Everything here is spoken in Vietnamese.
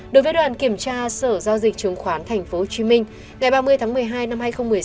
đối với đoàn kiểm tra sở giao dịch chứng khoán tp hcm ngày ba mươi tháng một mươi hai năm hai nghìn một mươi sáu